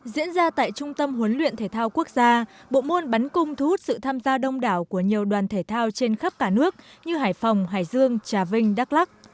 diễn ra tại trung tâm huấn luyện thể thao quốc gia bộ môn bắn cung thu hút sự tham gia đông đảo của nhiều đoàn thể thao trên khắp cả nước như hải phòng hải dương trà vinh đắk lắc